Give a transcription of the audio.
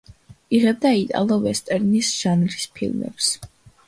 იღებდა იტალო-ვესტერნის ჟანრის ფილმებს.